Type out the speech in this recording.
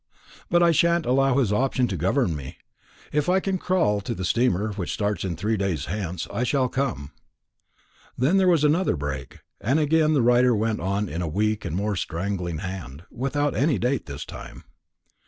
But I shan't allow his opinion to govern me. If I can crawl to the steamer, which starts three days hence, I shall come." Then there was another break, and again the writer went on in a weak and more straggling hand, without any date this time.